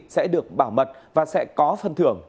sẽ được bảo mật và sẽ có phân thưởng